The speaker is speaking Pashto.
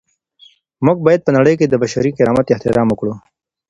موږ باید په نړۍ کي د بشري کرامت احترام وکړو.